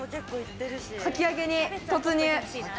かき揚げに突入。